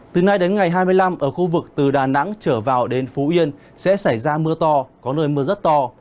từ nay đến ngày hai mươi năm ở khu vực từ đà nẵng trở vào đến phú yên sẽ xảy ra mưa to có nơi mưa rất to